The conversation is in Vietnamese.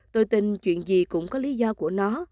tôi tin chuyện gì cũng có lý do của nó